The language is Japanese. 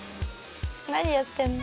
何やってるの？